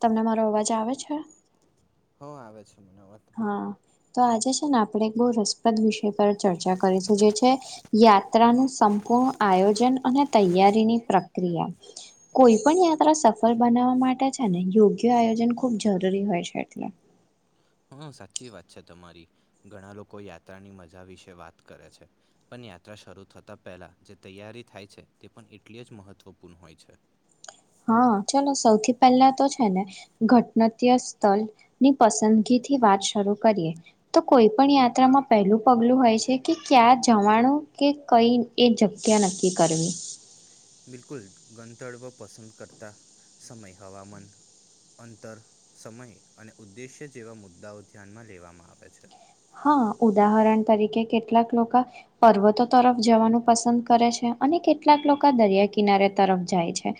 તમને મારો અવાજ આવે છે? હ આવે છે. મને અવાજ તમારો. હા, તો આજે જ ને આપડે એક બહુ રસપ્રદ વિષય પર ચર્ચા કરીશું જે છે યાત્રાનું સંપૂર્ણ આયોજન અને તૈયારીની પ્રક્રિયા. કોઈ પણ યાત્રા સફળ બનાવવા માટે છે ને યોગ્ય આયોજન ખૂબ જરૂરી હોય છે એટલે. હ, સાચી વાત છે. તમારી ઘણા લોકો યાત્રાની મજા વિશે વાત કરે છે પણ યાત્રા શરૂ થતા પહેલા જે તૈયારી થાય છે તે પણ એટલી જ મહત્વપૂર્ણ હોય છે. હા, ચલો સૌથી પહેલા તો છે ને ઘટનાત્ય સ્થળ ની પસંદગીથી વાત શરૂ કરીએ તો કોઈ પણ યાત્રામાં પહેલું પગલું હોય છે કે ક્યાં જવાનું કે કઈ એ જગ્યા નક્કી કરવી. બિલકુલ ગંતડવો પસંદ કરતા સમયે હવામાન અંતર સમય અને ઉદ્દેશ્ય જેવા મુદ્દાઓ ધ્યાનમાં લેવામાં આવે છે. હા, ઉદાહરણ તરીકે કેટલાક લોકા પર્વતો તરફ જવાનું પસંદ કરે છે અને કેટલાક લોકો દરિયા કિનારે તરફ જાય છે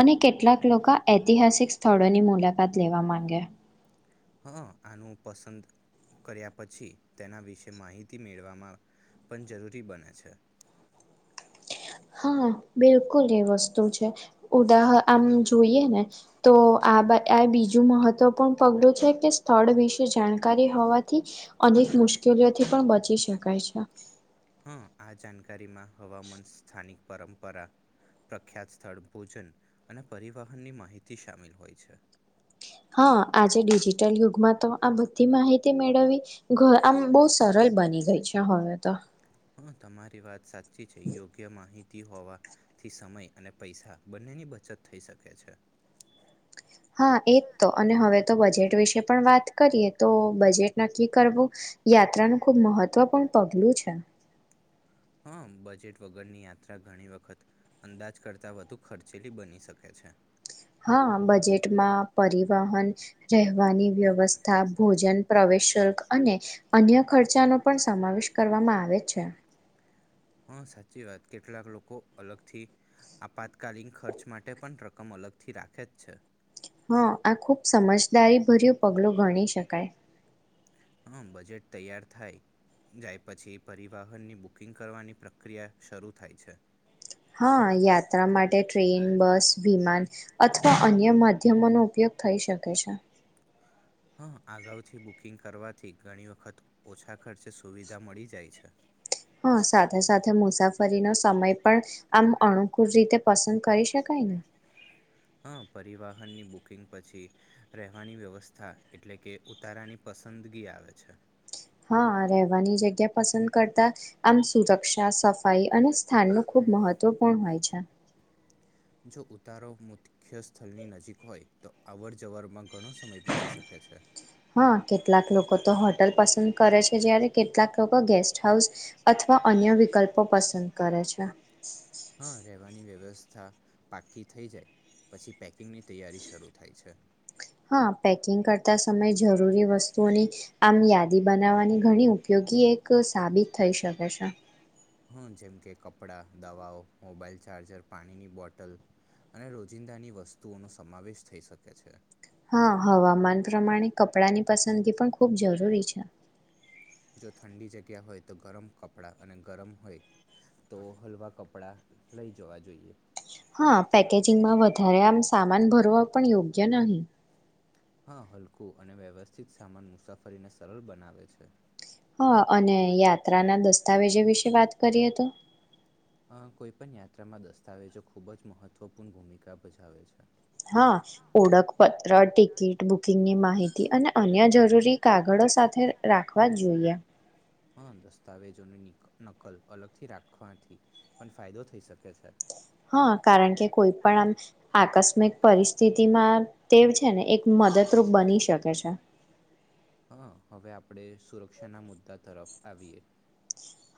અને કેટલાક લોકો ઐતિહાસિક સ્થળોની મુલાકાત લેવા માંગે. હા, આનું પસંદ કર્યા પછી તેના વિશે માહિતી મેળવામાં પણ જરૂરી બને છે. હા, બિલકુલ એ વસ્તુ છે. ઉદાહ આમ જોઈએ ને તો આ બે આ બીજું મહત્વપૂર્ણ પગલું છે કે સ્થળ વિશે જાણકારી હોવાથી અનેક મુશ્કેલીઓથી પણ બચી શકાય છે. હા, આ જાન કારીમાં હવામાન સ્થાનિક પરંપરા પ્રખ્યાત સ્થળ ભોજન અને પરિવહનની માહિતી સામેલ હોય છે. હા, આજે ડિજિટલ યુગમાં તો આ બધી માહિતી મેળવવી ઘ આમ બહુ સરળ બની ગઈ છે હવે તો. હા, તમારી વાત સાચ ચી છે યોગ્ય માહિ તી હોવાથી સમય અને પૈસા બંનેની બચત થઈ શકે છે. હા, એત તો અને હવે તો બજેટ વિશે પણ વાત કરીએ તો બજેટ નક્કી કરવું યાત્રાનું ખુબ મહત્વપૂર્ણ પગલું છે. હા, બજેટ વગરની યાત્રા ઘણી વખત અંદાજ કરતાં વધુ ખર્ચેલી બની શકે છે. હા, બજેટમાં પરિવહન રહેવાની વ્યવસ્થ થા ભોજન પ્રવેશ શુલ્ક અને અન્ય ખર્ચાનો પણ સામાવેશ કરવામાં આવે છે. હા, સાચી વાત કેટલાક લોકો અલગથી આપાતકાલીન ખર્ચ માટે પણ રકમ અલગથી રાખે જ છે. હા, આ ખુબ સમજદારી ભર્યું પગલું ગણીશ શકાય. હા, બજેટ તૈયાર થાય જાય પછી પરિવહનની બુકિંગ કરવાની પ્રક્રિયા શરૂ થાય છે. હા, યાત્રા માટે ટ્રેન, બસ, વિમાન અથવા અન્ય માધ્યમોનો ઉપયોગ થઈ શકે છે. હા, અગાઉથી બુકિંગ કરવાથી ઘણી વખત ઓછા ખર્ચે સુવિધા મળી જાય છે. હા સાથે સાથે મુસાફરીનો સમય પણ આમ અનુકૂળ રીતે પસંદ કરી શકાય ને. હા, પરિવહનની બુકિંગ પછી રહેવાની વ્યવસ્થા એટલે કે ઉતારાની પસંદગી આવે છે. હા, રહેવાની જગ્યા પસંદ કરતા આમ સુરક્ષા સફાઈ અને સ્થાન નું ખૂબ મહત્વ પણ હોય છે. જો ઉતારો મુખ્ય સ્થલની નજીક હોય તો અવર જવરમાં ઘણો સમય બચી શકે છે. હા, કેટલાક લોકો તો હોટલ પસંદ કરે છે જયારે કેટલાક લોકો ગેસ ટ હાઉસ અથવા અન્ય વિકલ્પો પસંદ કરે છે. હા, રહેવાની વ્યવસ થા પાકી થઈ જાય પછી પેકિંગ ની તૈયારી શરૂ થાય છે. હા, પેકિંગ કરતા સમયે જરૂરી વસ્તુઓની આમ યાદી બનાવવાની ઘણી ઉપયોગી એક સાબિત થઈ શકે છે. હમ્મ, જેમ કે કપડા, દવાઓ, મોબાઈલ ચાર્જર, પાણીની બોટલ અને રોજિંદાની વસ્તુઓનો સમાવેશ થઈ શકે છે. હા, હવામાન પ્રમાણે કપ ડાની પસંદગી પણ ખૂબ જરૂરી છે. જો ઠંડી જગ્યા હોય તો ગરમ કપડા અને ગરમ હોય તો હલવા કપડા લઈ જવા જોઈએ. હા, પેકેજિંગમાં વધારે આમ સામાન ભરવા પણ યોગ્ય નહી. હા, હલકું અને વ્યવસ્થિત સામાન મુસાફરીને સરલ બનાવે છે. હા અને યાત્રાના દસ્તાવેજો વિશે વાત કરીએ તો અ કોઈ પણ યાત્રામાં દસ્તાવેજો ખુબ જ મહત્વપૂર્ણ ભૂમિકા ભજાવે છે હા ઓળખપત્ર ટિકિટ બુકિંગ ની માહિ તી અને અન્ય જરૂરી કાગળો સાથે રાખવા જ જોઈએ હ દસ્તાવેજોની નકલ અલગ થી રાખવાથી પણ ફાયદો થઈ શકે છે હા કારણ કે કોઈ પણ આમ આકસ્ મિક પરિસ્થિતિમાં તે છે ને એક મદદરૂપ બની શકે છે હા હવે આપણે સુરક્ષાના મુદ્દા તરફ આવીએ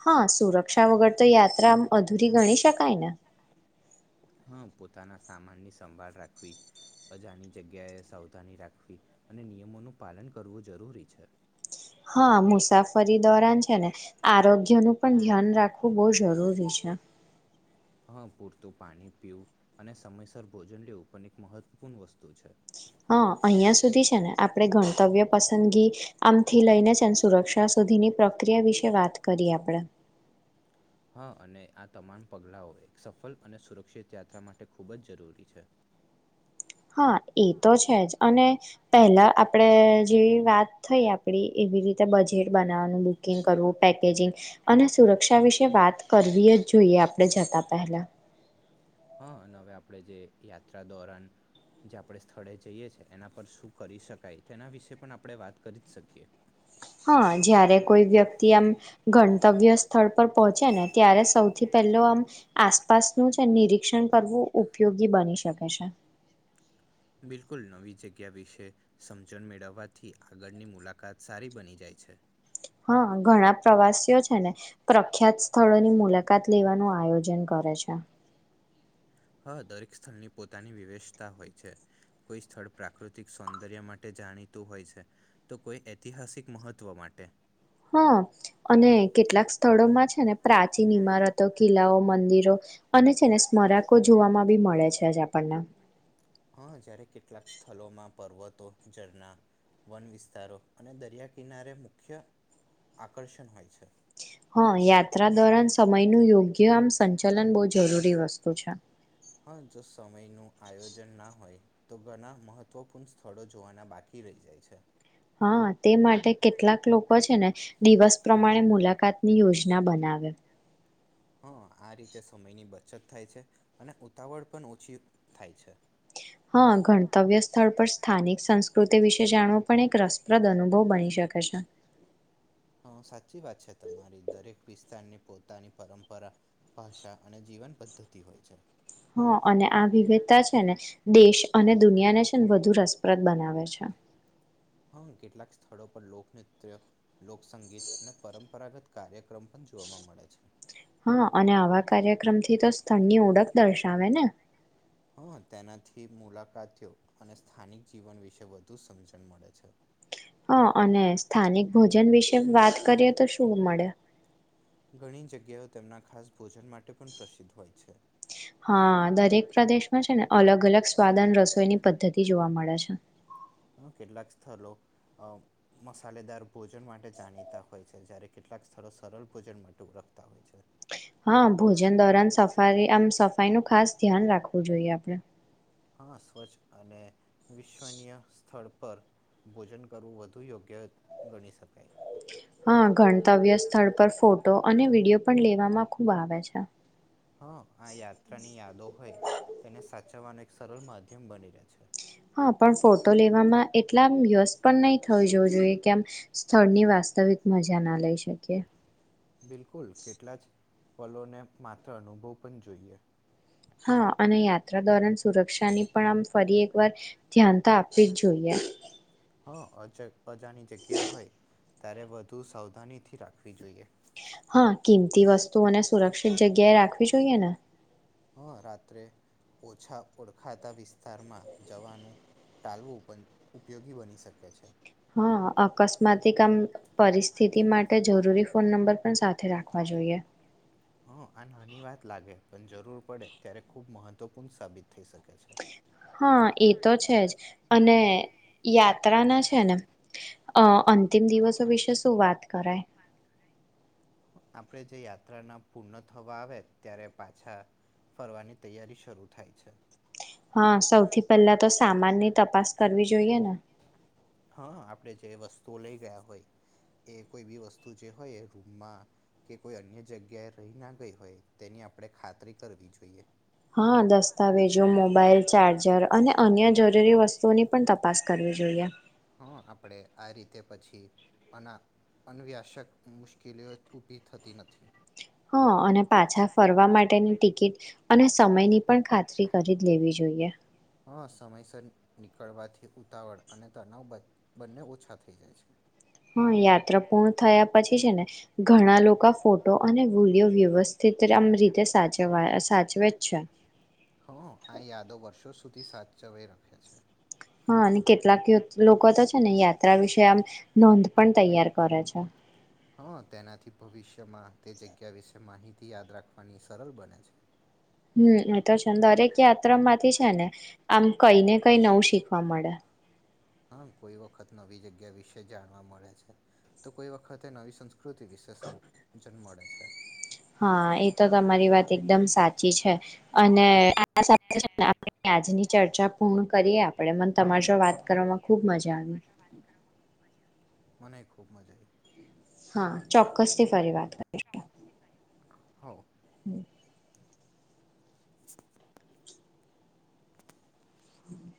હા સુરક્ષા વગર તો યાત્રા અધૂરી ગણી શકાય ને હમ પોતાના સામાનની સંભાળ રાખવી અજાની જગ્યાએ સાવધાની રાખવી અને નિયમોનું પાલન કરવું જરૂરી છે હા મુસાફરી દોરાન છે ને આરોગ્યનું પણ ધ્યાન રાખવું બહુ જરૂરી છે હા પૂરતું પાણી પીવું અને સમયસર ભોજન લેવું પણ એક મહત્વપૂર્ણ વસ્તુ છે હા અહિયાં સુધી છે ને આપે ગણતવ્ય પસંદગી આમથી લઈને જ સુરક્ષા સુધીની પ્રક્રિયા વિશે વાત કરીએ આપણે હા અને આ તમામ પગલાઓ એક સફળ અને સુરક્ષિત યાત્રા માટે ખૂબ જ જરૂરી છે હા એ તો છે જ અને પહેલા આપણે જે વાત થઈ આપડી એવી રીતે બજેટ બનાવવાનું બુકિંગ કરવું પેકેજિંગ અને સુરક્ષા વિશે વાત કરવીયે જ જોઈએ આપણે જતા પેહલા હા અને હવે આપણે જે યાત્રા દોરન જે આપણે સ્થળે જઈએ છે એના પર શું કરી શકાય તેના વિશે પણ આપણે વાત કરી જ શકીએ હા જયારે કોઈ વ્યક્તિ આમ ઘ કરતવ્ય સ્થળ પર પહોંચે ને ત્યારે સૌથી પહેલ આમ આસપાસનું છે નિરીક્ષણ કરવું ઉપયોગી બની શકે છે બિલકુલ નવી જગ્યા વિશે સમજણ મેળવવાથી આગળની મુલાકાત સારી બની જાય છે હા ઘણા પ્રવાસીઓ છે ને પ્રખ્યાત સ્થળોની મુલાકાત લેવાનું આયોજન કરે છે હા દરેક સ્થળની પોતાની વિવેેશતા હોય છે કોઈ સ્થળ પ્રાકૃતિક સૌંદર્ય માટે જાણીતું હોય છે તો કોઈ ઐતિહાસિક મહત્વ માટે હા અને કેટલાક સ્થળોમાં છે ને પ્રાચીન ઈમારતો કિલ્લાઓ મંદિરો અને છે ને સ્મરકો જોવામાં બી મળે છે જ આપણને હા જયારે કેટલાક સ્થળો માં પર્વતો, ઝરણા, વન વિસ્તારો અને દરિયા કિનારે મુખ્ય આકર્ષણ હોય છે. હા યાત્રા દોરન સમય નું યોગ્ય આમ સંચલન બહુ જરૂરી વસ્તુ છે. હા જો સમય નુ આયોજન ના હોય તો ઘણા મહત્વપૂર્ણ સ્થળો જોવાના બાકી રહી જાય છે. હા તે માટે કેટલાક લોકો છે ને દિવસ પ્રમાણે મુલાકાતની યોજના ના બનાવે. હા આ રીતે સમયની બચત થાય છે અને ઉતાવળ પણ ઓછી થાય છે. હા ગણતવ્ય સ્થળ પર સ્થાનિક સંસ્કૃતિ વિશે જાણવો પણ એક રસપ્રદ અનુભવ બની શકે છે. સાચી વાત છે તમારી દરેક વિસ્તારની પોતાની પરંપરા ભાષા અને જીવન પદ્ધતિ હોય છે. હા અને આ વિવિધતા છે ને દેશ અને દુનિયાને છે ને વધુ રસપ્રદ બનાવે છે. હમ કેટલાક સ્થળો પર લોકનૃત્ય, લોકસંગીત અને પરંપરાગત કાર્યક્રમ પણ જોવા મળે છે. હા અને આવા કાર્યક્રમથી તો સ્થળની ઓળખ દર્શાવે ને. હ તેનાથી મુલાકાતીઓ અને સ્થાનિક જીવન વિશે વધુ સમજણ મળે છે. હા અને સ્થાનિક ભોજન વિશે વાત કરીએ તો શું મળે? ઘણી જગ્યાઓ તેમના ખાસ ભોજન માટે પણ પ્રસિદ્ધ હોય છે. હા, દરેક પ્રદેશમાં છે ને અલગ અલગ સ્વાદ અને રસોઈની પદ્ધતિ જોવા મળે છે. હા, કેટલાક સ્થળ અહ મસાલેદાર ભોજન માટે જાણીતા હોય છે જ્યારે કેટલાક સ્થળો સરલ ભોજન માટે ઓળખતા હોય છે. હા, ભોજન દોરાન સફારી આમ સફાઈનું ખાસ ધ્યાન રાખવું જોઈએ આપડે. હા, સ્વચ્છ અને વિશ્વનીય સ્થળ પર ભોજન કરવું વધુ યોગ્ય ગણી શકાય. હા, ગણતવ્ય સ્થળ પર ફોટો અને વિડીયો પણ લેવામાં ખુબ આવે છે. હા, આ યાત્રા ની યાદો હોય એને સાચ ચવાનું એક સરલ માધ્યમ બની રહે છે. હા, પણ ફોટો લેવામાં એટલામ વ્યસ્ત પણ નહી થયું જોવું જોઈએ કે આમ સ્થળની વાસ્તવિક મજા ના લઈ શકીએ. બિલકુલ કેટલા જ પલોને માત્ર અનુભવ પણ જોઈએ. હા અને યાત્રા દોરન સુરક્ષાની પણ આમ ફરી એકવાર ધ્યાન તો આપવી જ જોઈએ. હ, અ જે બજાની જગ્યા હોય ત્યારે વધુ સાવધાની થી રાખવી જોઈએ. હા, કિંમતી વસ્તુઓને સુરક્ષિત જગ્યાએ રાખવી જોઈએ ને. હ રાત્રે ઓછા ઓળખાતા વિસ્તારમાં જવાનું ટાલવું પણ ઉપયોગી બની શકે છે. હા, અકસ્માતી કામ પરિસ સ્થિતિ માટે જરૂરી ફોન નંબર પણ સાથે રાખવા જોઈએ. હ અન હાની વાત લાગે પણ જરૂર પડે ત્યારે ખુબ મહત્વપૂર્ણ સાબિત થઈ શક હા, એ તો છે જ અને યાત્રા ના છે ને અહ અંતિમ દિવસો વિશે શું વાત કરાય? આપડે જે યાત્રા ના પૂર્ણ થવા આવે ત્યારે પાછા ફરવાની તૈયારી શરૂ થાય છે. હા, સૌથી પહેલા તો સામાન ની તપાસ કરવી જોઈએ ને? હા, આપડે જે વસ્તુઓ લઈ ગયા હોય એ કોઈ બી વસ્તુ જે હોય રૂમમાં કે કોઈ અન્ય જગ્યાએ રહી ના ગઈ હોય તેની આપડે ખાતરી કરવી જોઈએ. હા, દસ્તાવેજો, મોબાઈલ, ચાર્જર અને અન્ય જરૂરી વસ્તુઓની પણ તપાસ કરવી જોઈએ. હા, આપડે આ રીતે પછી અના અનવ્યાસક મુશ્કેલીઓ ઊભી થતી નથી. હા અને પાછા ફરવા માટેની ટિ કીટ અને સમયની પણ ખાતરી કરી જ લેવી જોઈએ. હા, સમયસર નીકળવાથી ઉતાવળ અને તનાવ બન-બંને ઓછા થઈ જાય છે. હા, યાત્રા પૂર્ણ થયા પછી છે ને ઘણા લોકો ફોટો અને વિડીયો વ્યવસ્થિતમ રીતે સાચવાયા સાચવે જ છે. હ, આ યાદો વર્ષો સુધી સાચવે રખે છે. હા અને કેટલાક લો-લોકા તો છે ને યાત્રા વિશે આમ નોંધ પણ તૈયાર કરે છે. હા, તેનાથી ભવિષ જેમા તે જગ્યા વિસ એ માહિતી યાદ રાખવાની સરલ બને છે. હમ્મ, એ તો છેં. દર એક કે યાત્રા માંથી છે ને આમ કઈનેક કઈ નવું શીખવા મળે. હા, કોઈ વખત નવી જગ્યા વિશે જાણવા મળે છે તો કોઈ વખતે નવી સંસ કૃતિ વિશેષ સમજન મળે. છે. હા, એ તો તમારી વાત એકદમ સાચી છે. અને આ સાથે છે ને આપડે વ્યાજની ચર્ચા પૂર્ણ કરીએ આપડે. મને તમારે જો વાત કરવામાં ખુબ મજા આવી. મને એ ખુબ મજા આઈ. હા, ચોક્કસ થી ફરી વાત કરીશું. હઓ. હ. હમ્મ.